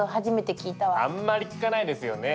あんまり聞かないですよね。